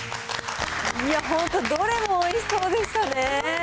本当、どれもおいしそうでしたね。